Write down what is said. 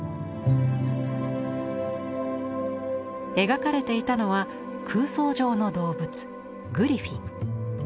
描かれていたのは空想上の動物グリフィン。